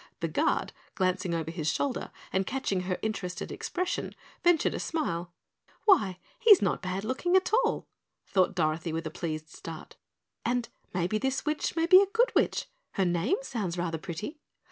The Guard, glancing over his shoulder and catching her interested expression, ventured a smile. "Why, he is not bad looking at all," thought Dorothy, with a pleased start. "And maybe this witch may be a good witch her name sounds rather pretty."